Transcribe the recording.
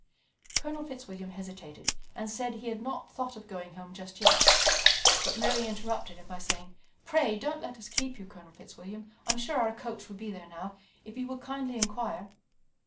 Colonel Fitzwilliam hesitated, and said he had not thought of going home just yet; but Mary interrupted him by saying: "Pray don't let us keep you, Colonel Fitzwilliam. I am sure our coach will be there now, if you would kindly inquire.